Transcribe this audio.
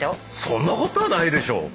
そんなことはないでしょ！